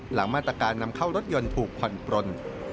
หลังมาตรการนำเข้ารถยนต์ถูกผ่อนปลน